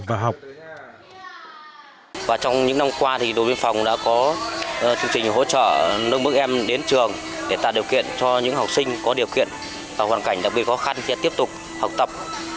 và trong những năm qua thì đồn biên phòng đã có chương trình hỗ trợ nâng bước em đến trường để tạo điều kiện cho những học sinh có điều kiện hoàn cảnh đặc biệt khó khăn sẽ tiếp tục học tập